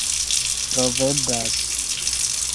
troveblas